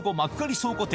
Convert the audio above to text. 倉庫店